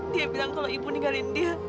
dia bilang kalau ibu nigalin dia